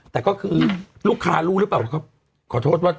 แต่ก็คือลูกค้ารู้หรือเปล่าว่าเขาขอโทษว่า